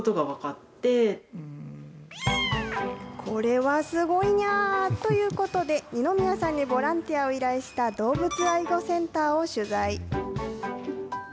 これはすごいにゃーということで、二宮さんにボランティアを依頼した動物愛護センターを取材。